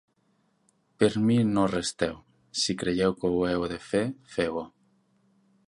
Per mi no resteu: si creieu que ho heu de fer, feu-ho.